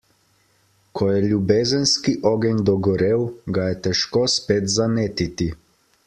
Ko je ljubezenski ogenj dogorel, ga je težko spet zanetiti.